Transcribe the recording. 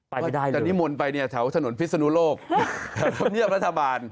ไปไม่ได้เลยจันนี้มนต์ไปแถวถนนพิษฎุโลกพรรษเงียบรัฐบาล